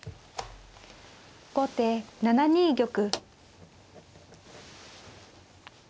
後手７ニ玉。